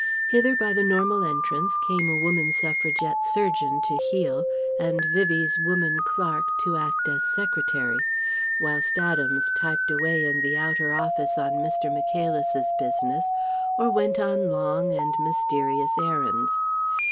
Hither by the normal entrance came a woman suffragette surgeon to heal, and Vivie's woman clerk to act as secretary; whilst Adams typed away in the outer office on Mr. Michaelis's business or went on long and mysterious errands.